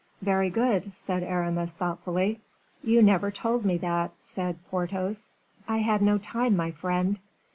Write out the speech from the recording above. "Very good," said Aramis, thoughtfully. "You never told me that," said Porthos. "I had no time, my friend."